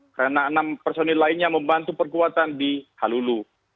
karena enam personil lainnya membantu perkuatan di halulu